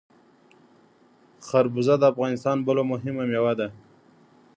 خربوزه د افغانستان بله مهمه میوه ده.